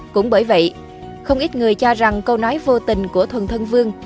cũng bởi vậy không ít người cho rằng câu nói vô tình của thuần thân vương